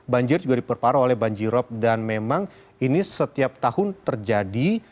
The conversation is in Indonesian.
banjir juga diperparah oleh banjirop dan memang ini setiap tahun terjadi